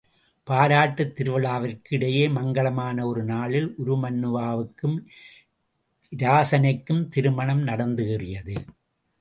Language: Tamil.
பாராட்டுத் திருவிழாவிற்கு இடையே மங்கலமான ஒரு நாளில் உருமண்ணுவாவுக்கும் இராசனைக்கும் திருமணம் நடந்தேறியது.